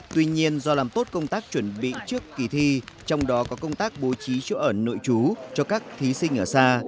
tuy nhiên do làm tốt công tác chuẩn bị trước kỳ thi trong đó có công tác bố trí chỗ ở nội trú cho các thí sinh ở xa